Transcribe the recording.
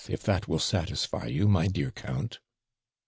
if that will satisfy you, my dear count.'